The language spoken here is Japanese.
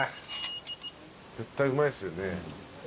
絶対うまいっすよね？